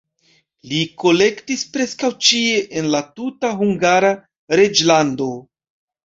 Li kolektis preskaŭ ĉie en la tuta Hungara reĝlando.